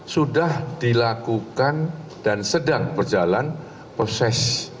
sudah dilakukan dan sedang berjalan proses